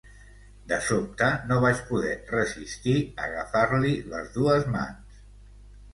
De sobte, no vaig poder resistir agafar-li les dues mans.